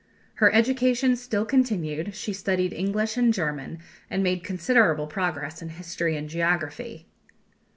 Her education still continued; she studied English and German, and made considerable progress in history and geography.